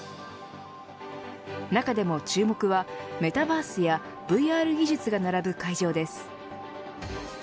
中でも注目は、メタバースやＶＲ技術が並ぶ会場です。